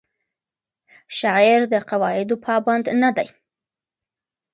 شاعر د قواعدو پابند نه دی.